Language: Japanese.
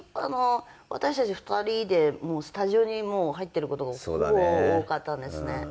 私たち２人でスタジオに入ってる事がほぼ多かったんですね。